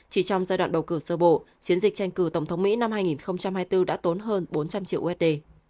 chỉ trong giai đoạn bầu cử sơ bộ chiến dịch tranh cử tổng thống mỹ năm hai nghìn hai mươi bốn đã tốn hơn bốn trăm linh triệu usd